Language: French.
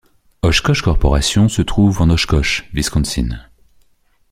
Oshkosh Corporation se trouve en Oshkosh, Wisconsin.